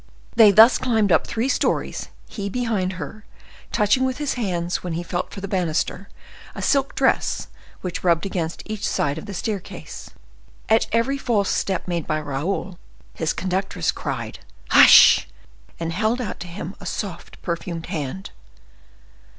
They thus climbed up three stories, he behind her, touching with his hands, when he felt for the banister, a silk dress which rubbed against each side of the staircase. At every false step made by Raoul, his conductress cried, "Hush!" and held out to him a soft perfumed hand.